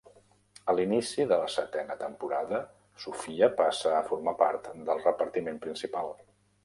A l'inici de la setena temporada, Sofia passa a formar part del repartiment principal.